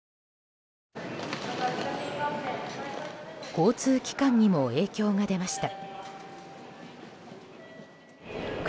交通機関にも影響が出ました。